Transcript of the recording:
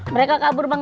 mereka kabur bang